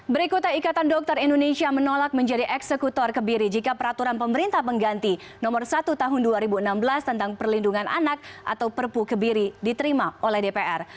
berikutnya ikatan dokter indonesia menolak menjadi eksekutor kebiri jika peraturan pemerintah pengganti nomor satu tahun dua ribu enam belas tentang perlindungan anak atau perpu kebiri diterima oleh dpr